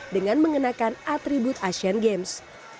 dengan mengenakan atribut asian games